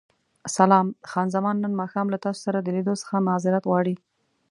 سلام، خان زمان نن ماښام له تاسو سره د لیدو څخه معذورت غواړي.